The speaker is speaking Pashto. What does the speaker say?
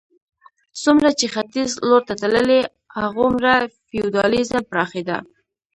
څومره چې ختیځ لور ته تللې هغومره فیوډالېزم پراخېده.